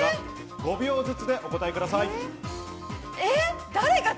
５秒ずつでお答えください。